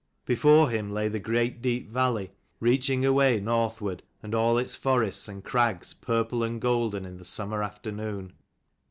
Before him lay the great deep valley, reaching away northward, and all its forests and crags purple and golden in the summer afternoon.